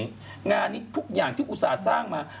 งานนี้ทุกอย่างที่อุตส่าห์สร้างมา